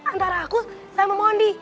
antara aku sama mondi